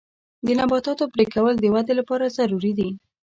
د نباتاتو پرې کول د ودې لپاره ضروري دي.